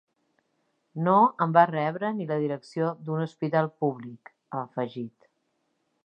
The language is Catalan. No em va rebre ni la direcció d’un hospital públic, ha afegit.